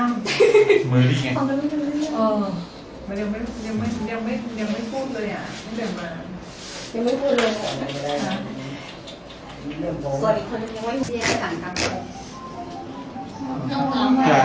ยังไม่พูดเลยอ่ะ